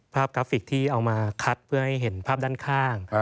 กราฟิกที่เอามาคัดเพื่อให้เห็นภาพด้านข้าง